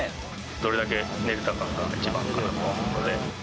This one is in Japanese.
どれだけ寝られたかが一番かなと思うので。